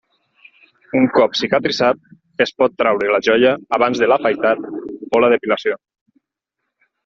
Un cop cicatritzat, es pot treure la joia abans de l'afaitat o la depilació.